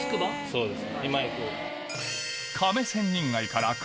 そうです。